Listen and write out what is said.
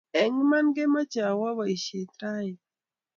Eng Iman kamameche awe boishet raini